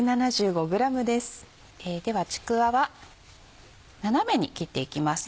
ではちくわは斜めに切っていきます。